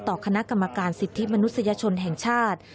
ต่อคณะกรรมการสิทธิมนุษยชนแห่งชาติ